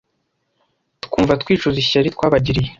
twumva twicuza ishyari twabagiriye